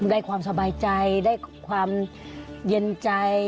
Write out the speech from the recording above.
ได้ความสบายใจได้ความเย็นใจ